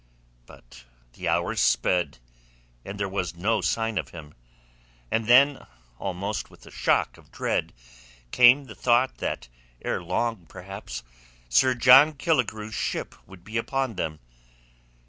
But the hours sped, and there was no sign of him. And then, almost with a shock of dread came the thought that ere long perhaps Sir John Killigrew's ship would be upon them.